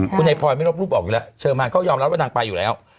คุณให้พลอยไม่ลบรูปออกชนะเชอร์มานยอมรับว่านางไปอยู่แล้ว